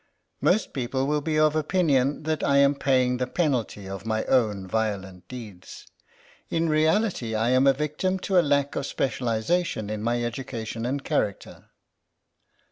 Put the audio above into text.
" Most people will be of opinion that I am paying the penalty of my own violent deeds. In reality I am a victim to a lack of specialisa tion in my education and character."